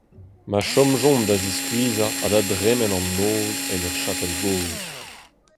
Ma chomjont da ziskuizhañ ha da dremen an noz en ur chapel gozh.